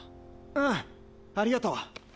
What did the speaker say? うんありがとう。